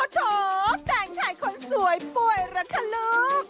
แต่งไทยคนสวยป่วยระคลึก